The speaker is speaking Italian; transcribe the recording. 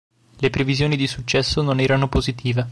Le previsioni di successo non erano positive.